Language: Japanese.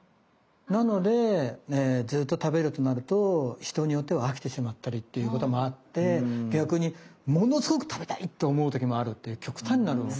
なのでずっと食べるとなると人によっては飽きてしまったりっていうこともあって逆にものすごく食べたい！と思う時もあるっていう極端なお米。